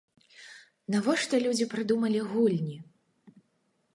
Навошта людзі прыдумалі гульні?